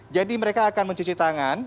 jadi mereka akan mencuci tangan